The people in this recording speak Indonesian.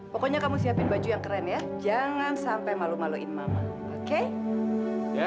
pokoknya kamu siapin baju yang keren ya